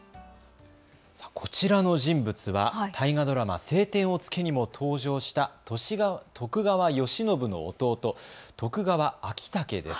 こちらの人物は大河ドラマ、青天を衝けにも登場した徳川慶喜の弟、徳川昭武です。